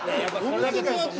お店のやつ